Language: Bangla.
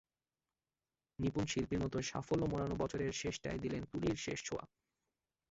নিপুণ শিল্পীর মতো সাফল্যে মোড়ানো বছরের শেষটায় দিলেন তুলির শেষ ছোঁয়া।